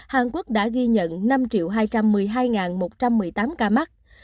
hàn quốc đã ghi nhận năm hai trăm một mươi hai một trăm một mươi tám ca mắc